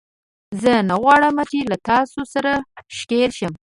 زه نه غواړم چې له تاسو سره ښکېل شم